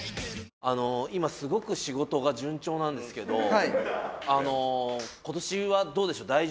今すごく仕事が順調なんですけどことしはどうでしょう？